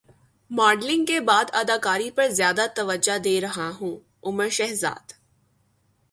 modelling کے بعد اداکاری پر زیادہ توجہ دے رہا ہوں عمر شہزاد